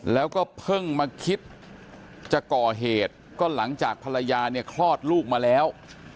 แล้วก็เพิ่งมาคิดจะก่อเหตุก็หลังจากภรรยาเนี่ยคลอดลูกมาแล้ว